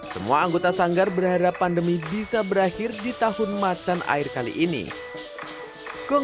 semua anggota sanggar berharapan berhasil mencapai kemampuan berharga